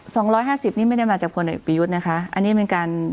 สองร้อยห้าสิบนี่ไม่ได้มาจากคนเอกประยุทธ์นะคะอันนี้เป็นการ